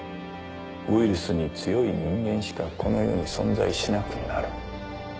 ウイルスに強い人間しかこの世に存在しなくなる。